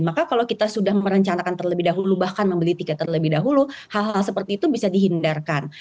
maka kalau kita sudah merencanakan terlebih dahulu bahkan membeli tiket terlebih dahulu hal hal seperti itu bisa dihindarkan